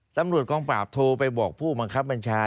ตำรวจกองปราบโทรไปบอกผู้บังคับบัญชา